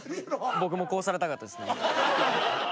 僕もこうされたかったですね。